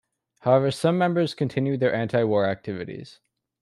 However, some members continued their anti-war activities.